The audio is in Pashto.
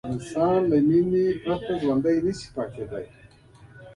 انسانان له مینې پرته ژوندي نه شي پاتې کېدلی.